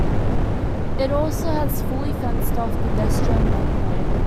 It also has fully fenced off pedestrian walkway.